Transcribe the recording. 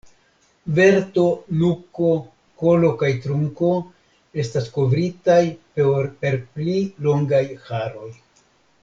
Verto, nuko, kolo kaj trunko estas kovritaj per pli longaj haroj.